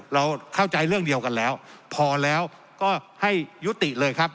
เราเข้าใจเรื่องเดียวกันแล้วพอแล้วก็ให้ยุติเลยครับ